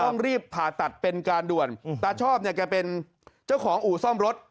ต้องรีบผ่าตัดเป็นการด่วนตาชอบเนี่ยแกเป็นเจ้าของอู่ซ่อมรถ